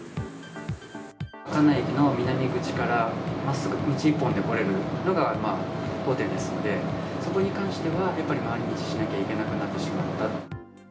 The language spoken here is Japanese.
関内駅の南口からまっすぐ道１本で来れるのが当店ですので、そこに関してはやっぱり回り道しなくてはいけなくなってしまった。